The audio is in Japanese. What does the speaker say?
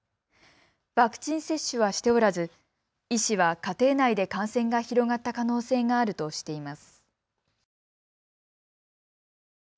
ワクチン接種はしておらず医師は家庭内で感染が広がった可能性があるとしています。